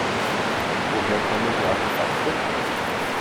Woher kommen die Artefakte?